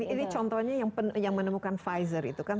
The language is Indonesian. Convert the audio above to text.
ini contohnya yang menemukan pfizer itu kan